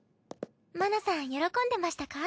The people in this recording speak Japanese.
麻奈さん喜んでましたか？